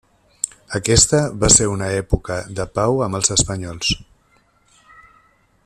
Aquesta va ser una època de pau amb els espanyols.